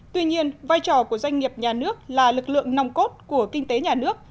tuy nhiên vai trò của doanh nghiệp nhà nước là lực lượng nòng cốt của kinh tế nhà nước